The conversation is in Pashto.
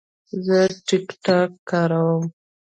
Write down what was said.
زه د ټک ټاک کاروم.